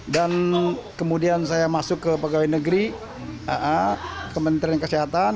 dan kemudian saya masuk ke pegawai negeri ke menteri kesehatan